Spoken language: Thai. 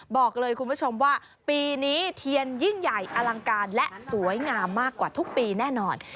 บอกเลยคุณผู้ชมว่าปีนี้เทียนยิ่งใหญ่อลังการและสวยงามมากกว่าทุกปีแน่นอน